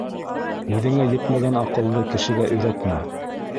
Үҙеңә етмәгән аҡылды кешегә өйрәтмә.